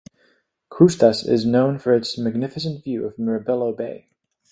Kroustas is known for its magnificent view of Mirabello Bay.